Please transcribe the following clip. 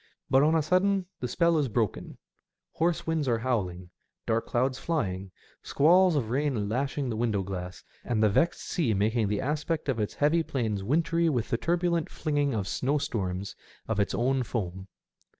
But on a sudden the spell is broken ; hoarse winds are howling, dark clouds flying, squalls of rain lashing the window glass, and the vexed sea making the aspect of its heaving plains wintry with the turbulent flinging of snowstorms of its own foam.